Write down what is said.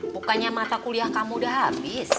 bukannya mata kuliah kamu udah habis